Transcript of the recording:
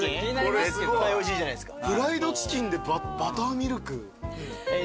絶対おいしいじゃないですか。